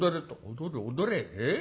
「踊れ踊れ。え？